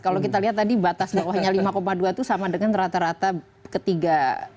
kalau kita lihat tadi batas bawahnya lima dua itu sama dengan rata rata ketiga